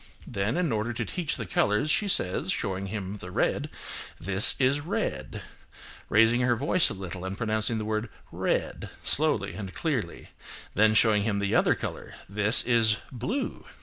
Then, in order to teach the colours, she says, showing him the red, "This is red," raising her voice a little and pronouncing the word "red" slowly and clearly; then showing him the other colour, "This is blue."